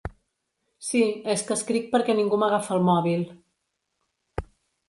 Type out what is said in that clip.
Sí, és que escric perquè ningú m'agafa el mòbil.